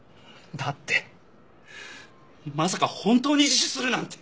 だってまさか本当に自首するなんて！